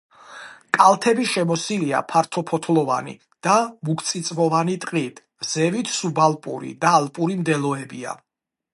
კალთები შემოსილია ფართოფოთლოვანი და მუქწიწვოვანი ტყით, ზევით სუბალპური და ალპური მდელოებია.